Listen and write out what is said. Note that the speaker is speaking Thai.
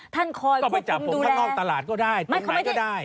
ท่านคอยควบคุมดูแลตรงไหนก็ได้ก็ไปจับผมข้างนอกตลาดก็ได้